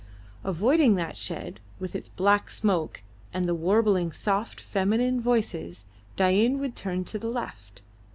Avoiding that shed, with its black smoke and the warbling of soft, feminine voices, Dain would turn to the left.